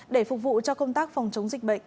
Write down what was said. để phục vụ cho công tác phòng chống dịch bệnh